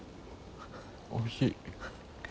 おいしい。